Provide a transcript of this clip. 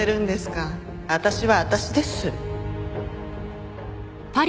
私は私です。